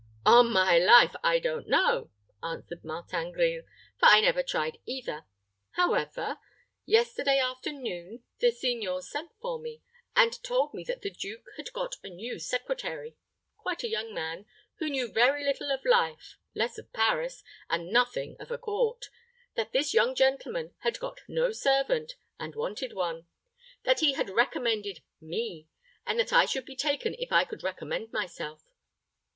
"On my life! I don't know," answered Martin Grille; "for I never tried either. However, yesterday afternoon the signor sent for me, and told me that the duke had got a new secretary quite a young man, who knew very little of life, less of Paris, and nothing of a court: that this young gentleman had got no servant, and wanted one; that he had recommended me, and that I should be taken if I could recommend myself.